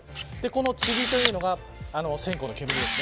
このちりというのが線香の煙です。